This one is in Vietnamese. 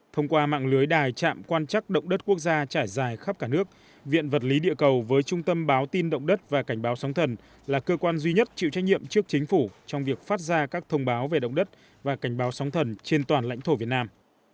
thông qua mạng lưới đài trạm quan trắc động đất quốc gia trải dài khắp cả nước viện vật lý địa cầu với trung tâm báo tin động đất và cảnh báo sóng thần là cơ quan duy nhất chịu trách nhiệm trước chính phủ trong việc phát ra các thông báo về động đất và cảnh báo sóng thần trên toàn lãnh thổ việt nam